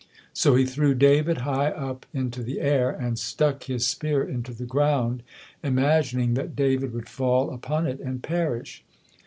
So he threw David high up into the air, and stuck his spear into the ground, imagining that David would fall upon it and perish.